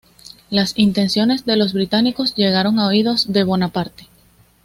Las intenciones de los británicos llegaron a oídos de Bonaparte.